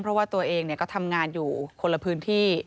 เพราะว่าตัวเองก็ทำงานอยู่คนละพื้นที่